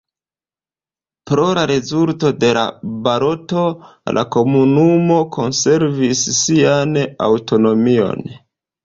Pro la rezulto de la baloto la komunumo konservis sian aŭtonomion.